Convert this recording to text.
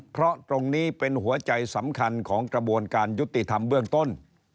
เพราะตรงนี้เป็นหัวใจสำคัญของกระบวนการยุติธรรมเบื้องต้น